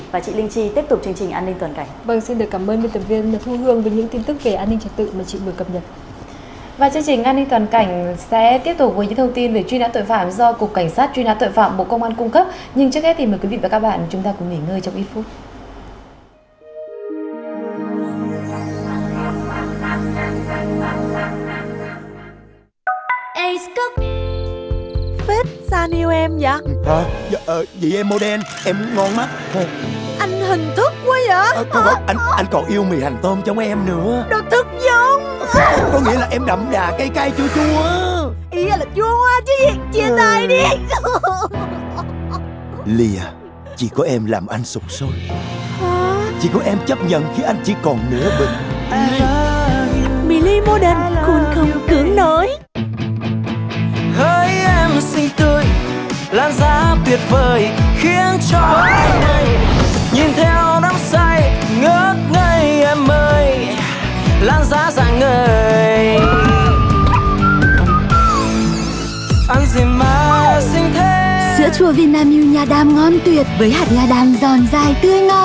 với hạt nhà đam giòn dài tươi ngon